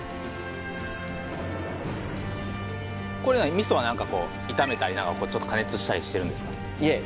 味噌は何か炒めたり加熱したりしてるんですか？